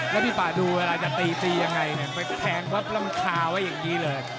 แล้วพี่ป่าดูเวลาจะตีตียังไงไปแทงปั๊บแล้วมันคาไว้อย่างนี้เลย